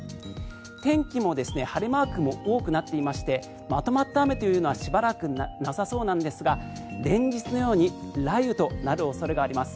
天気も晴れマークも多くなっていましてまとまった雨というのはしばらくなさそうなんですが連日のように雷雨となる恐れがあります。